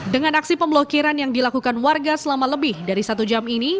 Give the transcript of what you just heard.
dengan aksi pemblokiran yang dilakukan warga selama lebih dari satu jam ini